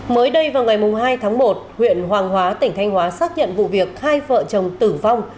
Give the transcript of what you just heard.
mới đây vào ngày hai tháng một huyện hoàng hóa tỉnh thanh hóa xác nhận vụ việc hai vợ chồng tử vong